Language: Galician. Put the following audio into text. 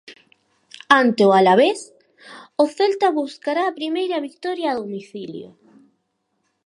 Ante o Alavés, o Celta buscará a primeira vitoria a domicilio.